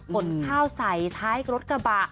ขนข้าวใส่ท้ายรถกระบะ